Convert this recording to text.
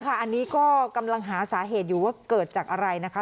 อันนี้ก็กำลังหาสาเหตุอยู่ว่าเกิดจากอะไรนะคะ